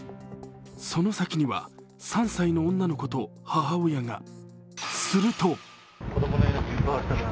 その先には３歳の女の子と母親が。